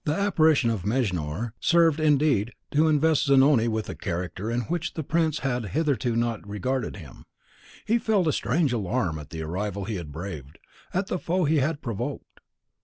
The apparition of Mejnour served, indeed, to invest Zanoni with a character in which the prince had not hitherto regarded him. He felt a strange alarm at the rival he had braved, at the foe he had provoked.